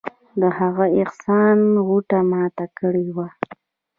د هغه احسان غوټ مات کړى وم.